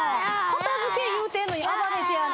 片付け言うてんのに暴れてやな。